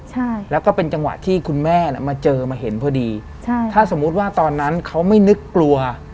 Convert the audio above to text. ใช่แล้วก็เป็นจังหวะที่คุณแม่น่ะมาเจอมาเห็นพอดีใช่ถ้าสมมุติว่าตอนนั้นเขาไม่นึกกลัว